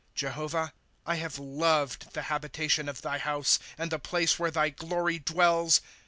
8 Jehovah, I have loved the habitation of thy house, And the place where thy glory dwells.